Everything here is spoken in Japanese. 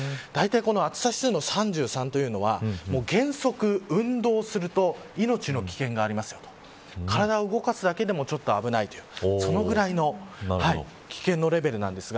暑さ指数の３３というのは原則、運動すると命の危険がありますよと体を動かすだけでも、ちょっと危ないというくらいの危険のレベルです。